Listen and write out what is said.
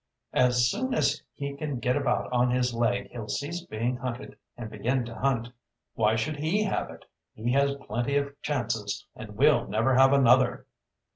As soon as he can get about on his leg he'll cease being hunted and begin to hunt. Why should he have it? He has plenty of chances, and we'll never have another."